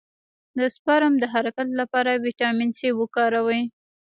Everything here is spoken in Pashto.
د سپرم د حرکت لپاره ویټامین سي وکاروئ